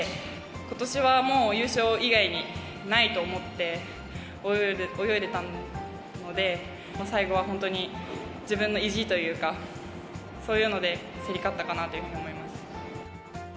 ことしはもう優勝以外にないと思って泳いでたので、最後は本当に、自分の意地というか、そういうので競り勝ったかなというふうに思います。